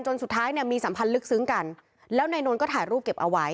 สุดท้ายเนี่ยมีสัมพันธ์ลึกซึ้งกันแล้วนายนนท์ก็ถ่ายรูปเก็บเอาไว้